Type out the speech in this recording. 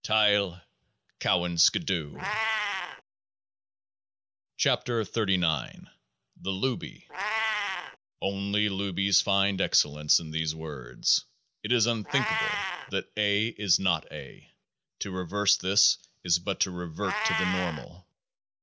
Tyle ! Cowan, skidoo ! 49 KEOAAH A0 THE LOOBY Only loobies find excellence in these words. It is thinkable that A is not A ; to reverse this is but to revert to the normal.